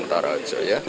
ya ntar aja ya